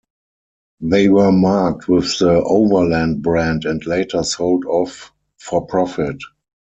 They were marked with the "overland" brand and later sold off for profit.